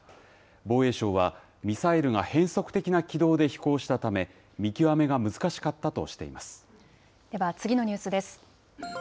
防衛省は、ミサイルが変則的な軌道で飛行したため、では、次のニュースです。